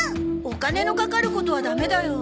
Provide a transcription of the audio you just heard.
お金のかかることはダメだよ。